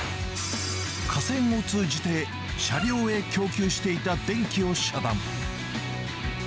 架線を通じて、車両へ供給していた電気を遮断。